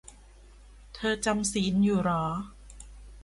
เธอจำศีลอยู่เหรอ?